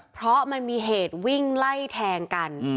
เพราะมันมีเหตุวิ่งไล่แทงกัน